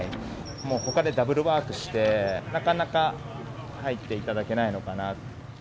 もうほかでダブルワークしてなかなか入っていただけないのかな。